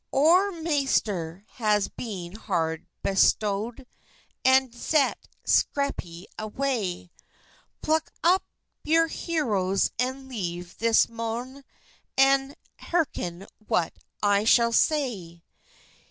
"Oure maister has bene hard bystode, And zet scapyd away; Pluk up your hertes and leve this mone, And herkyn what I shal say.